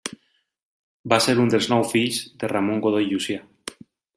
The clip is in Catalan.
Va ser un dels nou fills de Ramon Godó i Llucià.